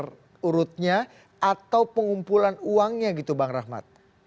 nomor urutnya atau pengumpulan uangnya gitu bang rahmat